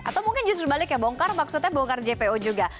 atau mungkin justru balik ya bongkar maksudnya bongkar jpo juga